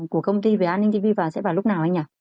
của công ty về aninh tv và sẽ vào lúc nào anh ạ